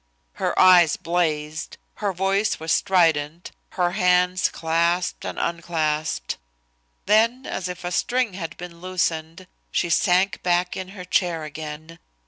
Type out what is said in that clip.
Her eyes blazed, her voice was strident, her hands clasped and unclasped. Then, as if a string had been loosened, she sank back in her chair again.